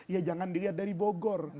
ya jangan dilihat dari bogor